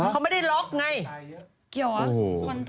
เขาไม่ได้ล็อกไง